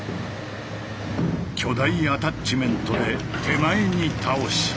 巨大アタッチメントで手前に倒し。